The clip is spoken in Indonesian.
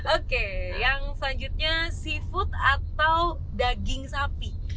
oke yang selanjutnya seafood atau daging sapi